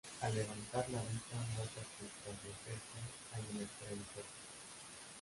Al levantar la vista nota que tras la cerca hay una extraña casa.